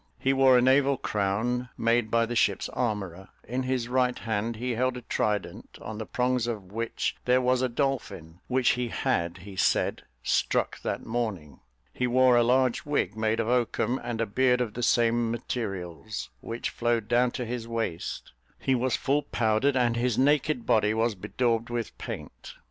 He wore a naval crown, made by the ship's armourer; in his right hand he held a trident, on the prongs of which there was a dolphin, which he had, he said, struck that morning; he wore a large wig, made of oakum, and a beard of the same materials, which flowed down to his waist; he was full powdered, and his naked body was bedaubed with paint.